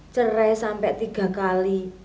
cerai sampai tiga kali